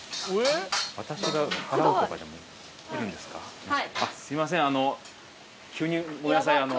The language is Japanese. すいません。